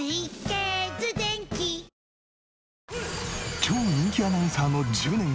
超人気アナウンサーの１０年後。